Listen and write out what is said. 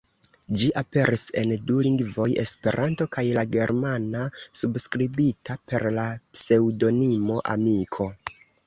Ĝi aperis en du lingvoj: Esperanto kaj la germana, subskribita per la pseŭdonimo "Amiko".